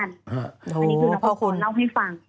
อันนี้คือน้องพ่อพ่อเล่าให้ฟัง